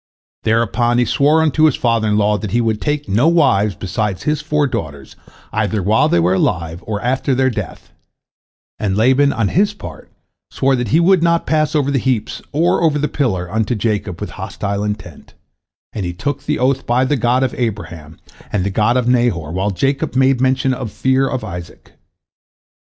Thereupon he swore unto his father in law that he would take no wives beside his four daughters, either while they were alive or after their death, and Laban, on his part, swore that he would not pass over the heaps or over the pillar unto Jacob with hostile intent, and he took the oath by the God of Abraham, and the God of Nahor, while Jacob made mention of the Fear of Isaac.